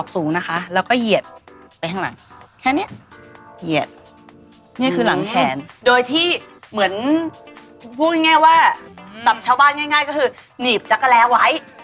สำชาวบ้านง่ายก็คือหนีบจักรแร้ไหว